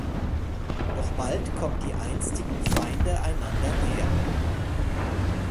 Doch bald kommt die einstigen Feinde einander näher.